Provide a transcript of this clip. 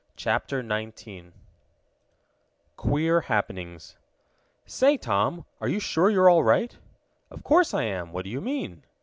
CHAPTER XIX QUEER HAPPENINGS "Say, Tom, are you sure you're all right?" "Of course I am! What do you mean?"